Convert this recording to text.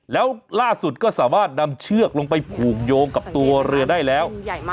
แล้วล่าสุดก็สามารถนำเชือกลงไปผูกโยงกับตัวเรือได้แล้วสังเกตก็คือใหญ่มาก